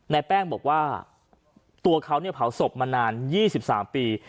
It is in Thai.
แป้งบอกว่าตัวเขาเผาศพมานาน๒๓ปี